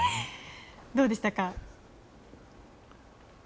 どうでしたか？